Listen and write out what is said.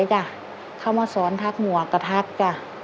เข้ามาสอนทักหัวก็ทักค่ะ